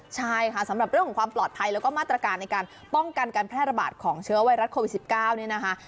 ใช่ค่ะสำหรับเรื่องของความปลอดภัยแล้วก็มาตรการในการป้องกันการแพร่ระบาดของเชื้อไวรัสโควิด๑๙เนี่ยนะคะ